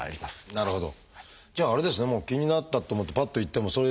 なるほど。